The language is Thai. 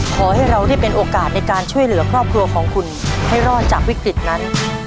ขอให้เราได้เป็นโอกาสในการช่วยเหลือครอบครัวของคุณให้รอดจากวิกฤตนั้น